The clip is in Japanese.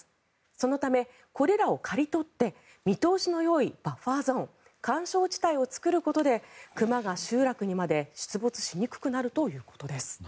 そのためこれらを刈り取って見通しのよいバッファーゾーン緩衝地帯を作ることで熊が集落にまで出没しにくくなるということです。